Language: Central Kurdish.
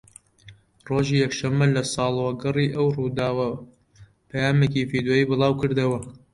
ڕۆژی یەکشەمە لە ساڵوەگەڕی ئەو ڕووداوە پەیامێکی ڤیدۆیی بڵاوکردەوە